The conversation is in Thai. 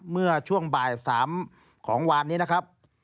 เมื่อช่วงบ่าย๓ของวานนี้นะครับ